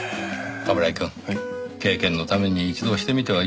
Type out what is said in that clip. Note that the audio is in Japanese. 冠城くん経験のために一度してみてはいかがですか？